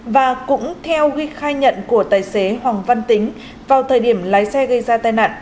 và cũng theo ghi khai nhận của tài xế hoàng văn tính vào thời điểm lái xe gây ra tai nạn